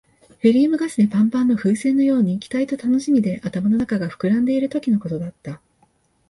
ヘリウムガスでパンパンの風船のように、期待と楽しみで頭の中が膨らんでいるときのことだった。